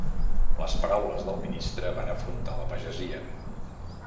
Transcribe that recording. Les paraules del ministre van afrontar la pagesia.